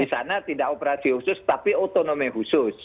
di sana tidak operasi khusus tapi otonomi khusus